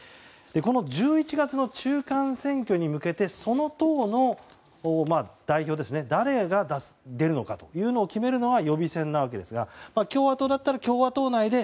この１１月の中間選挙に向けてその党の代表、誰が出るのかというのを決めるのは予備選なわけですが共和党だったら共和党内で